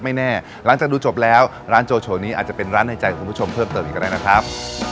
ไม่แน่หลังจากดูจบแล้วร้านโจโฉนี้อาจจะเป็นร้านในใจคุณผู้ชมเพิ่มเติมอีกก็ได้นะครับ